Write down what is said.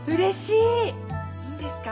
いいんですか？